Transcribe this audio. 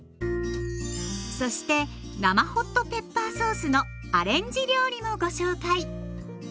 そして生ホットペッパーソースのアレンジ料理もご紹介。